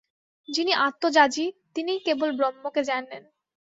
যিনি আত্মযাজী, তিনিই কেবল ব্রহ্মকে জানেন।